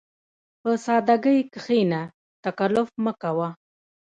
په سادهګۍ کښېنه، تکلف مه کوه.